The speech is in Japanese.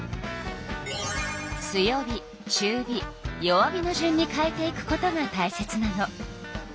強火中火弱火の順に変えていくことがたいせつなの。